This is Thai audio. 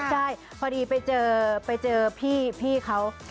ใช่พอดีไปเจอพี่เขา